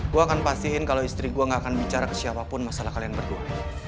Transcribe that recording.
gua akan pastiin kalau istri gua nggak akan bicara ke siapapun masalah kalian berdua